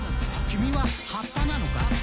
「きみは葉っぱなのか？」